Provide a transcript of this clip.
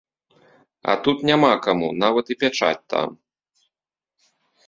А тут няма каму, нават і пячаць там.